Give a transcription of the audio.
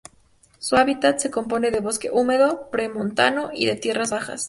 Su hábitat se compone de bosque húmedo premontano y de tierras bajas.